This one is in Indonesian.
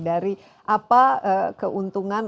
dari apa keuntungan